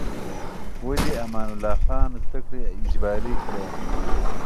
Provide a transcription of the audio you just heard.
ولې امان الله خان زده کړې اجباري کړې؟